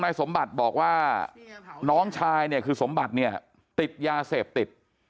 สมบัติบอกว่าน้องชายเนี่ยคือสมบัติเนี่ยติดยาเสพติด